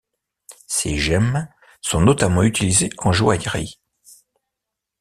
Ces gemmes sont notamment utilisées en joaillerie.